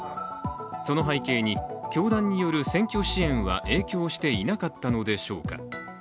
その背景に、教団による選挙支援は影響していなかったのでしょうか。